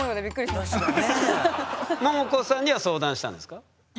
ももこさんには相談したんですか？